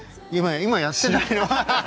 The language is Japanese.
今やってないの？